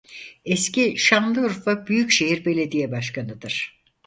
Eski Şanlıurfa Büyükşehir Belediye başkanıdır.